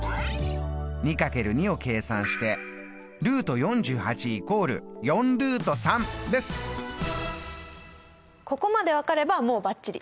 ２×２を計算してここまで分かればもうバッチリ！